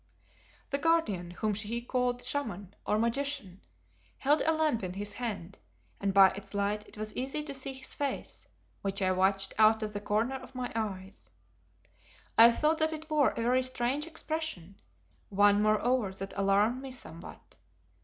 The Guardian, whom she called "Shaman" or Magician, held a lamp in his hand, and by its light it was easy to see his face, which I watched out of the corner of my eye. I thought that it wore a very strange expression, one moreover that alarmed me somewhat.